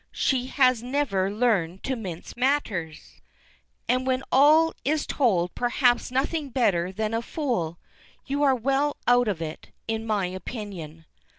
She has never learned to mince matters. "And, when all is told, perhaps nothing better than a fool! You are well out of it, in my opinion."